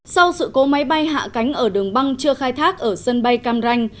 sau sự cố máy bay hạ cánh ở đường băng chưa khai thác ở sân bay cam ranh